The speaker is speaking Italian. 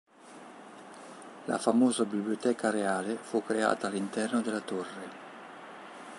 La famosa Biblioteca Reale fu creata all'interno della torre.